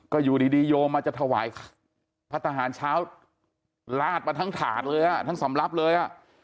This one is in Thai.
ก็อยู่ดีโยมมาจะถวายพระทหารเช้าลาดมาทั้งถาดเลยอ่ะทั้งสำรับเลย